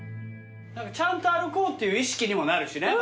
ちゃんと歩こうっていう意識にもなるしね。